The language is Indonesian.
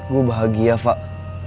gua bahagia fak